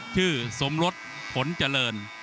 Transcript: ชื่อสมรสผลเจริญ